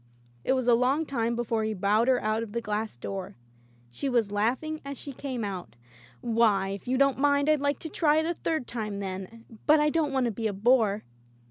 It was a long time before he bowed her out of the glass door. She was laughing as she came out: "Why, if you don't mind, I'd like to try it a third time, then; but I don't want to be a bore."